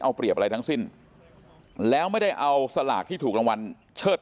เอาเปรียบอะไรทั้งสิ้นแล้วไม่ได้เอาสลากที่ถูกรางวัลเชิด